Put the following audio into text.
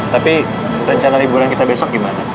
tapi rencana liburan kita besok gimana